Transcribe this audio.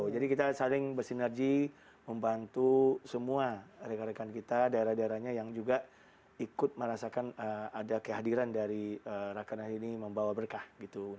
jadi kita saling bersinergi membantu semua rekan rekan kita daerah daerahnya yang juga ikut merasakan ada kehadiran dari raker nas ini membawa berkah gitu